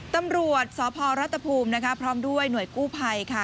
ตำรวจสพรัฐภูมินะคะพร้อมด้วยหน่วยกู้ภัยค่ะ